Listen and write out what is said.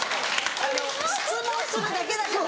質問するだけだから。